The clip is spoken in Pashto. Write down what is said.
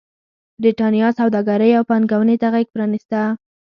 برېټانیا سوداګرۍ او پانګونې ته غېږ پرانېسته.